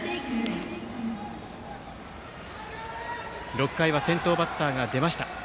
６回は先頭バッターが出ました。